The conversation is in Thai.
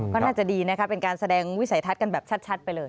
ก็น่าจะดีนะคะเป็นการแสดงวิสัยทัศน์กันแบบชัดไปเลย